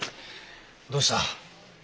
どうした？